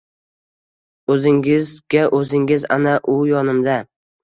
O‘zingizga-o‘zingiz ana, u yonimda